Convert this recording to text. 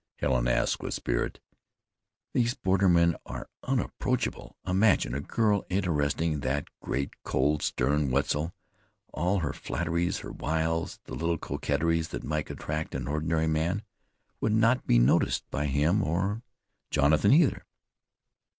Helen asked with spirit. "These bordermen are unapproachable. Imagine a girl interesting that great, cold, stern Wetzel! All her flatteries, her wiles, the little coquetries that might attract ordinary men, would not be noticed by him, or Jonathan either."